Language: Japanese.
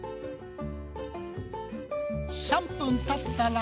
３分たったら。